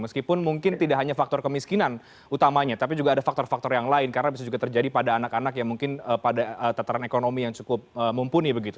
meskipun mungkin tidak hanya faktor kemiskinan utamanya tapi juga ada faktor faktor yang lain karena bisa juga terjadi pada anak anak yang mungkin pada tataran ekonomi yang cukup mumpuni begitu